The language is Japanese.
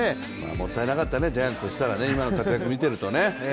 もったいなかったね、ジャイアンツとしたら、今の活躍見ていたらね。